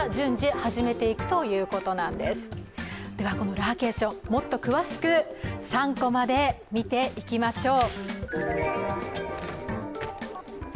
ラーケーションもっと詳しく３コマで見ていきましょう。